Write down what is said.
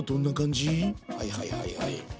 はいはいはいはい。